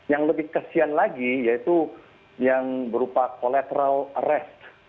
yang lebih kesian lagi yaitu yang berupa collateral arrest